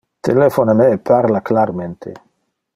Telephona me e parla clarmente.